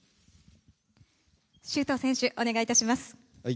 周東選手、お願いいたします。